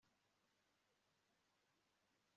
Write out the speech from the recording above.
bushingiye ku bipimo ntima